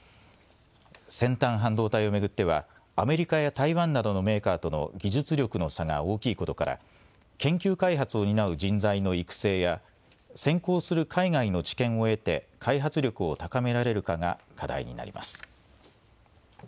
先端半導体を巡ってはアメリカや台湾などのメーカーとの技術力の差が大きいことから研究開発を担う人材の育成や先行する海外の知見を得て開発力を高められるかが課題になります。